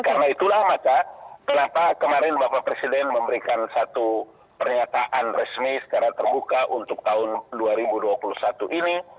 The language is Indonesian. karena itulah maka kenapa kemarin bapak presiden memberikan satu pernyataan resmi secara terbuka untuk tahun dua ribu dua puluh satu ini